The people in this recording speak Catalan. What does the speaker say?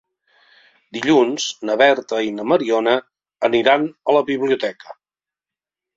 Dilluns na Berta i na Mariona aniran a la biblioteca.